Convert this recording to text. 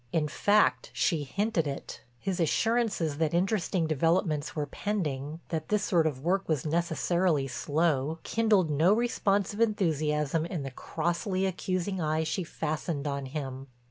In fact she hinted it; his assurances that interesting developments were pending, that this sort of work was necessarily slow, kindled no responsive enthusiasm in the crossly accusing eye she fastened on him.